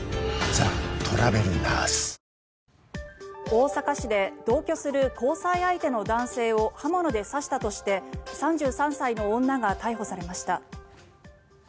大阪市で同居する交際相手の男性を刃物で刺したとして３３歳の女が逮捕されました。